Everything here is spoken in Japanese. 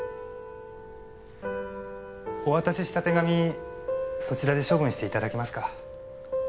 お渡しした手紙そちらで処分していただけますか？